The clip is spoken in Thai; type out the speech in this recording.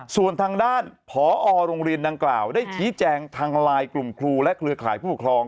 ส่วนทางด้านผอโรงเรียนดังกล่าวได้ชี้แจงทางไลน์กลุ่มครูและเครือข่ายผู้ปกครอง